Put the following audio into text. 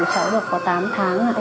chẳng được có tám tháng